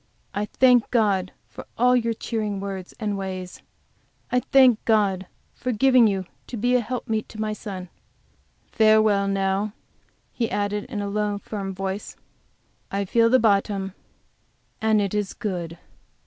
I thank God for all your cheering words and ways. I thank God for giving you to be a helpmeet to my son. Farewell, now," he added, in a low, firm voice, "I feel the bottom, and it is good!"